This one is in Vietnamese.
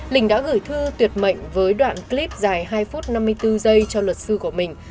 linh đã gửi thư tuyệt mệnh với đoạn clip dài hai phút năm mươi bốn giây cho luật sư của mình